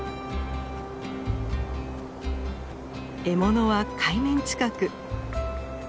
獲物は海面近く。